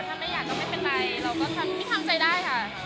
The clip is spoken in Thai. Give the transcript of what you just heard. ถ้าไม่อยากก็ไม่เป็นไรเราก็ทำใจได้ค่ะ